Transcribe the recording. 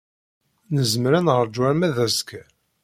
Nezmer ad neṛju arma d azekka.